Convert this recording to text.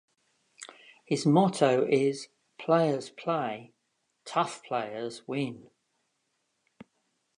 His motto is "Players Play - Tough Players Win".